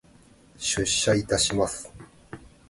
出社いたします。